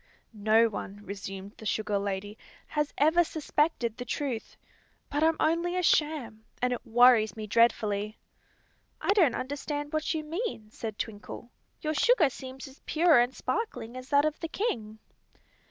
"No one," resumed the sugar lady, "has ever suspected the truth; but I'm only a sham, and it worries me dreadfully." "I don't understand what you mean," said Twinkle. "Your sugar seems as pure and sparkling as that of the king."